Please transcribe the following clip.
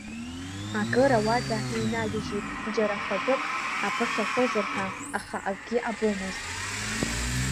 Акыр ауада иҩнагьежьит, џьара фатәык аԥыхьашәозар ҳәа, аха акгьы абомызт.